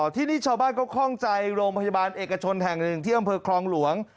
ที่นี่ชาวบ้านก็คล่องใจโรงพยาบาลเอกชนแห่งหนึ่งที่อำเภอคลองหลวง